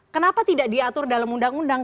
kenapa tidak diatur dalam undang undang